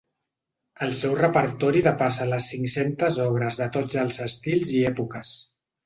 El seu repertori depassa les cinc-centes obres de tots els estils i èpoques.